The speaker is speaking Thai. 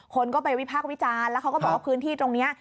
คนก็ไปวิพากษ์วิจารณ์แล้วเขาก็บอกว่าพื้นที่ตรงนี้